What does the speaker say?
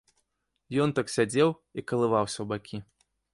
Ён так сядзеў і калываўся ў бакі.